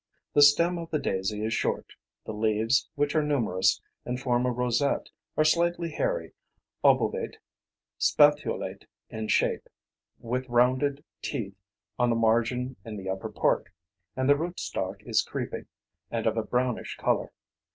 The stem of the daisy is short; the leaves, which are numerous and form a rosette, are slightly hairy, obovate spathulate in shape, with rounded teeth on the margin in the upper part; and the root stock is creeping, and of a brownish colour.